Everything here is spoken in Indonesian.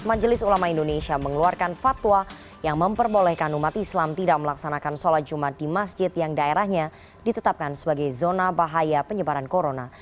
majelis ulama indonesia mengeluarkan fatwa yang memperbolehkan umat islam tidak melaksanakan sholat jumat di masjid yang daerahnya ditetapkan sebagai zona bahaya penyebaran corona